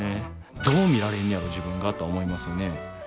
どう見られんねやろ自分がとは思いますよね。